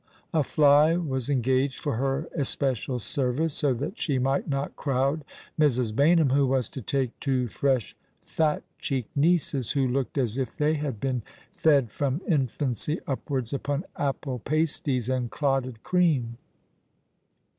A fly was engaged for her especial service, so that she might not crowd Mrs. Baynham, who was to take two fresh, fat cheeked nieces, who looked as if they had been fed from infancy upwards upon apple pasties and clotted cream.